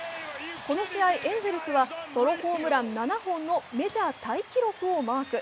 この試合、エンゼルスはソロホームラン７本のメジャータイ記録をマーク。